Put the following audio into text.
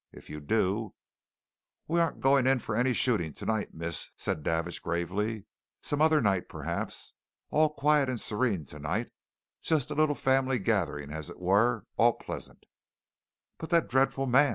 "If you do " "We aren't going in for any shooting tonight, miss," said Davidge gravely. "Some other night, perhaps. All quiet and serene tonight just a little family gathering, as it were all pleasant!" "But that dreadful man!"